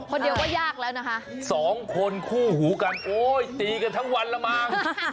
คนเดียวก็ยากแล้วนะคะสองคนคู่หูกันโอ้ยตีกันทั้งวันแล้วมั้ง